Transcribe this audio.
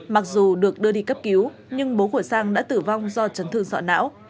mặc dù được đưa đi cấp cứu nhưng bố của sang đã tử vong do chấn thương sọ não